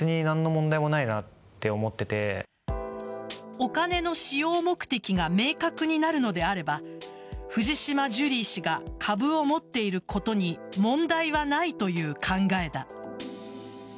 お金の使用目的が明確になるのであれば藤島ジュリー氏が株を持っていることに問題はないという考えだ。